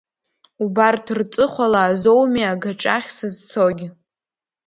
Убарҭ рҵыхәала азоуми агаҿахь сызцогьы.